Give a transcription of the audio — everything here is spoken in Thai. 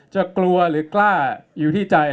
กลัวหรือกล้าอยู่ที่ใจ